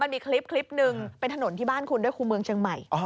มีคลิปหนึ่งเป็นถนนที่บ้านคุณด้วยครูเมืองเชียงใหม่